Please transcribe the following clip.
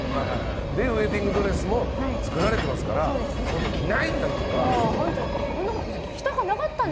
で、ウェディングドレスも作られてますからそんな着ないなんていうのは。